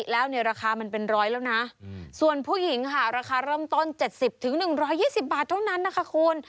แล้วเนี่ยราคามันเป็นร้อยแล้วนะส่วนผู้หญิงค่ะราคาเริ่มต้น๗๐๑๒๐บาทเท่านั้นนะคะคุณ